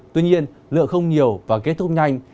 tuy nhiên lượng không nhiều và kết thúc nhanh